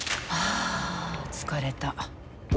あ疲れた。